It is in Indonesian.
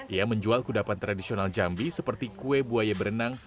ia menjual kudapan tradisional jambi seperti kue buaya berenang